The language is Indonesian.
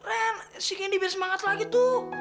ren si nia diberi semangat lagi tuh